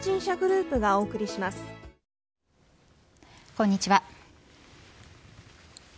こんにちは。